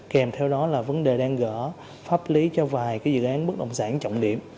kèm theo đó là vấn đề đang gỡ pháp lý cho vài dự án bất động sản trọng điểm